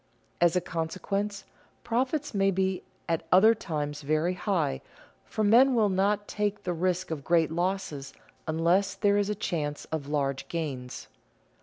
As a consequence, profits may be at other times very high, for men will not take the risk of great losses unless there is a chance of large gains.